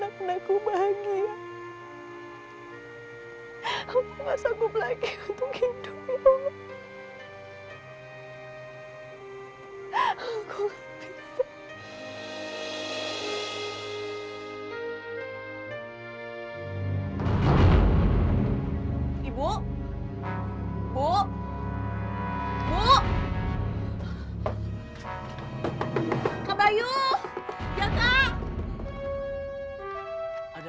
ibu juga merasakan penderitaan kalian